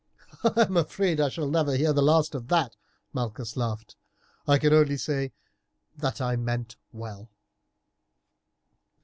"I am afraid I shall never hear the last of that," Malchus laughed; "I can only say that I meant well."